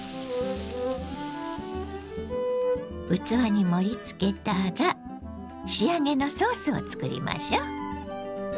器に盛りつけたら仕上げのソースを作りましょ。